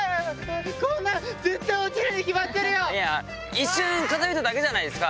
一瞬風吹いただけじゃないですか。